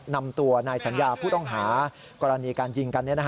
นำตัวนายสัญญาผู้ต้องหากรณีการยิงกัน